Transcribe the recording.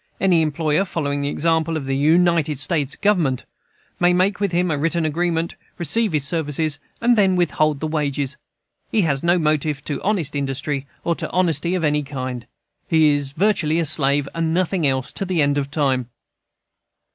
Any employer, following the example of the United States Government, may make with him a written agreement receive his services, and then withhold the wages. He has no motive to honest industry, or to honesty of any kind. He is virtually a slave, and nothing else, to the end of time.